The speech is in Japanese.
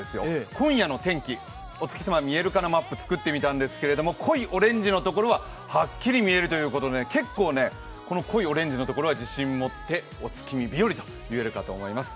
今夜の天気、お月様見えるかなマップ作ってみたんですけど濃いオレンジのところははっきり見えるということで濃いオレンジのところは自信を持ってお月見日和と言えると思います。